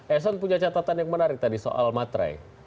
eson punya catatan yang menarik tadi soal matrei